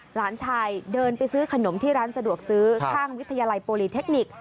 หลานชายเดินไปซื้อขนมที่ร้านสะดวกซื้อข้างวิทยาลัยโปรลีเทคนิค